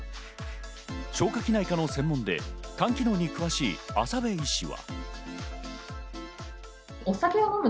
消化器内科の専門で肝機能に詳しい浅部医師は。